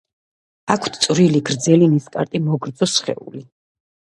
აქვთ წვრილი, გრძელი ნისკარტი, მოგრძო სხეული.